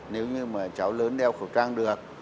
nếu như mà cháu lớn đeo khẩu trang được